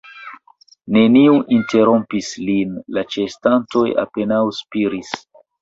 Neniu interrompis lin; la ĉeestantoj apenaŭ spiris.